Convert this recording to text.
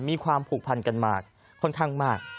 มีความผูกพันกันมาค่อนข้างมาก